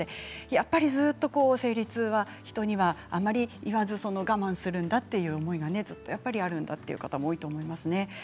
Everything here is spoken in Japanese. やっぱりずっと生理痛は人にはあまり言わず我慢するんだという思いがずっとあるんだという方もいるんですね。